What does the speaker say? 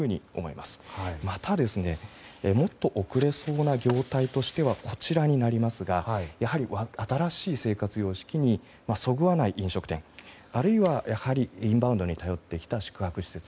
また、もっと遅れそうな業態としてはやはり新しい生活様式にそぐわない飲食店あるいは、インバウンドに頼ってきた宿泊施設。